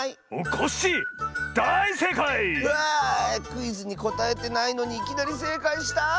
クイズにこたえてないのにいきなりせいかいした。